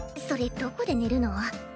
それどこで寝るの？